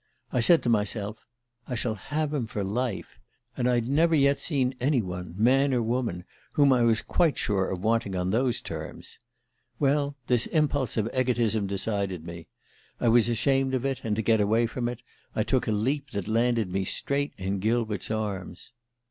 I said to myself: 'I shall have him for life' and I'd never yet seen any one, man or woman, whom I was quite sure of wanting on those terms. Well, this impulse of egotism decided me. I was ashamed of it, and to get away from it I took a leap that landed me straight in Gilbert's arms.